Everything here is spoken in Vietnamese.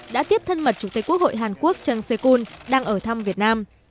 đã tiếp thân mật chủ tịch quốc hội hàn quốc trần sê cun đang ở thăm việt nam